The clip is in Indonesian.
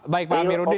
baik pak amiruddin